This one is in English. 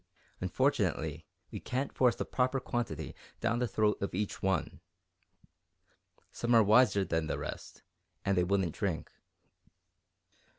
"Unfortunately, we can't force the proper quantity down the throat of each one. Some are wiser than the rest and they wouldn't drink."